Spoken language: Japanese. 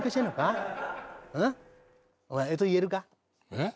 えっ？